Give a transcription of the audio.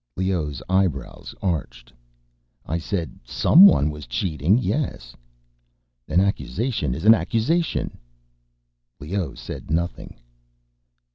Leoh's eyebrows arched. "I said someone was cheating, yes—" "An accusation is an accusation." Leoh said nothing.